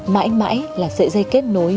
mãi mãi là sợi dây kết nối